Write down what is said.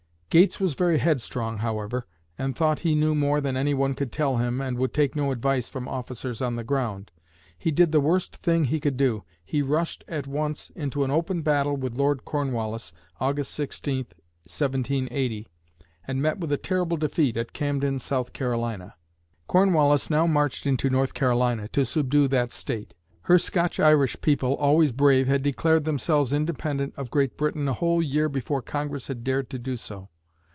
Gates was very headstrong, however, and thought he knew more than any one could tell him and would take no advice from officers on the ground. He did the worst thing he could do he rushed at once into an open battle with Lord Cornwallis (August 16, 1780) and met with a terrible defeat at Camden, South Carolina. Cornwallis now marched into North Carolina to subdue that State. Her Scotch Irish people, always brave, had declared themselves independent of Great Britain a whole year before Congress had dared to do so.